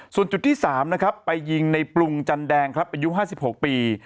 ส่วนจุดที่๓นะครับไปยิงในปรุงจันแดงครับอายุ๕๖ปี